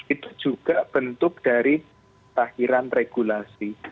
itu juga bentuk dari tahiran regulasi